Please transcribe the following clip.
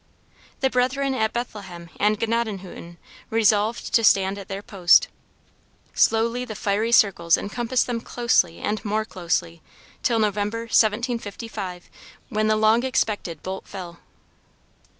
The Brethren at Bethlehem and Gnadenhutten resolved to stand at their post. Slowly the fiery circles encompassed them closely and more closely till November, 1755, when the long expected bolt fell.